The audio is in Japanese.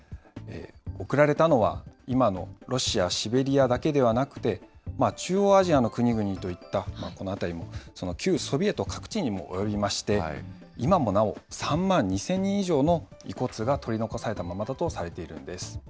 送られたのは、今のロシア・シベリアだけではなくて、中央アジアの国々といった、この辺りのその旧ソビエト各地にも及びまして、今もなお、３万２０００人以上の遺骨が取り残されたままだとされているんです。